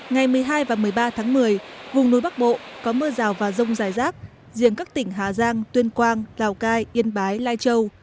ngày một mươi hai và một mươi ba tháng một mươi vùng núi bắc bộ có mưa rào và rông dài rác riêng các tỉnh hà giang tuyên quang lào cai yên bái lai châu